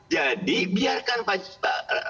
jadi biarkan pak joko